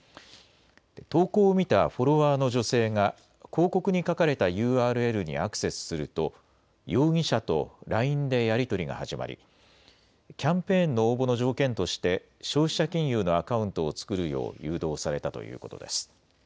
投稿を見たフォロワーの女性が広告に書かれたＵＲＬにアクセスすると容疑者とＬＩＮＥでやり取りが始まりキャンペーンの応募の条件として消費者金融のアカウントを作るよう誘導されたということです。